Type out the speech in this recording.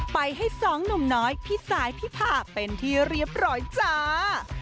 ไปให้สองหนุ่มน้อยพี่สายพี่ผ่าเป็นที่เรียบร้อยจ้า